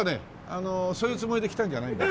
あのそういうつもりで来たんじゃないんだ。